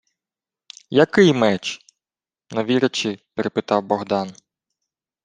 — Який меч?.. — не вірячи, перепитав Богдан.